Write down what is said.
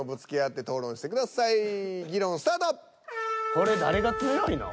これ誰が強いの？